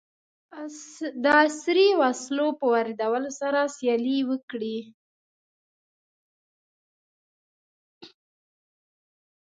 د عصري وسلو په واردولو سره سیالي وکړي.